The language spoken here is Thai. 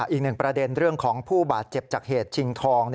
อีกหนึ่งประเด็นเรื่องของผู้บาดเจ็บจากเหตุชิงทอง